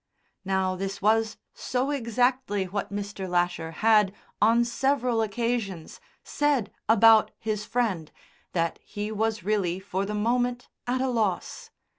'" Now this was so exactly what Mr. Lasher had, on several occasions, said about his friend that he was really for the moment at a loss.